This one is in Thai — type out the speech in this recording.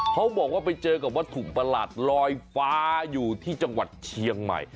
เขาบอกว่าไปเจอกับวัตถุประหลาดลอยฟ้าอยู่ที่จังหวัดเชียงใหม่